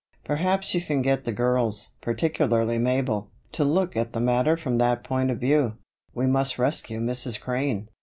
Perhaps you can get the girls particularly Mabel, to look at the matter from that point of view; we must rescue Mrs. Crane."